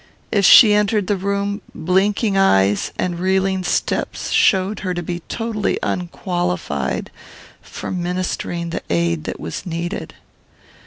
If she entered the room, blinking eyes and reeling steps showed her to be totally unqualified for ministering the aid that was needed.